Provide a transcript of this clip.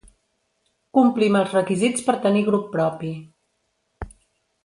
Complim els requisits per tenir grup propi.